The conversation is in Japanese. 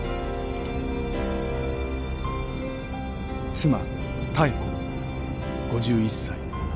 妻妙子５１歳。